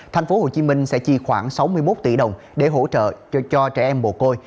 thành phố hồ chí minh sẽ chi khoảng sáu mươi một tỷ đồng để hỗ trợ cho trẻ em bồ côi